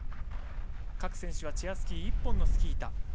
各選手はチェアスキー１本のスキー板。